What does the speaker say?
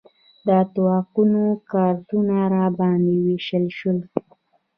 د اتاقونو کارتونه راباندې وویشل شول.